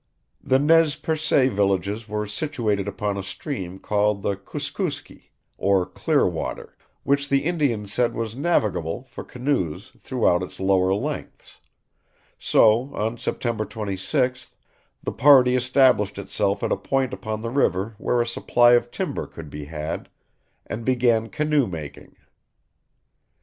The Nez Percé villages were situated upon a stream called the Kooskooskee, or Clearwater, which the Indians said was navigable for canoes throughout its lower lengths; so, on September 26th, the party established itself at a point upon the river where a supply of timber could be had, and began canoe making.